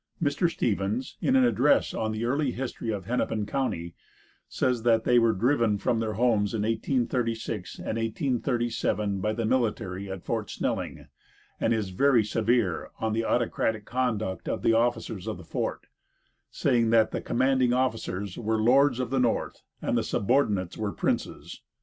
Mr. Stevens, in an address on the early history of Hennepin county, says that they were driven from their homes in 1836 and 1837 by the military at Fort Snelling, and is very severe on the autocratic conduct of the officers of the fort, saying that the commanding officers were lords of the North, and the subordinates were princes.